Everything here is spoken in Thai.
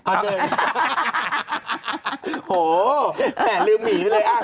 โอ้โหแหม่ลืมหนีไปเลย